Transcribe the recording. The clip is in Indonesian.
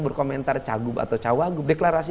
berkomentar cawagub atau cawagub deklarasi